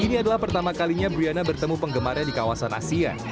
ini adalah pertama kalinya briana bertemu penggemarnya di kawasan asia